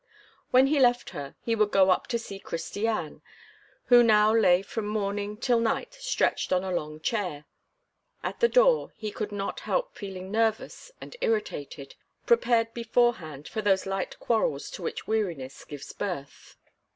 When he left her, he would go up to see Christiane, who now lay from morning till night stretched on a long chair. At the door, he could not help feeling nervous and irritated, prepared beforehand for those light quarrels to which weariness gives birth.